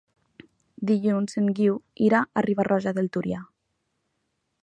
Dilluns en Guiu irà a Riba-roja de Túria.